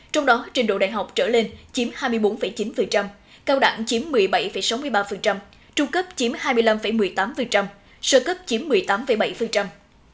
trong đó trình độ đại học trở lên chiếm hai mươi bốn chín cao đẳng chiếm một mươi bảy sáu mươi ba trung cấp chiếm hai mươi năm một mươi tám sơ cấp chiếm một mươi tám bảy